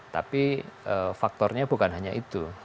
tapi faktornya bukan hanya itu